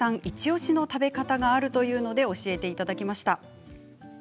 イチおしの食べ方があるというので教えていただきました。